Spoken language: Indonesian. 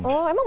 oh emang bosen